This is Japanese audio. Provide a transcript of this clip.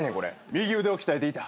右腕を鍛えていた。